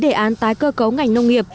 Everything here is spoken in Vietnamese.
đề án tái cơ cấu ngành nông nghiệp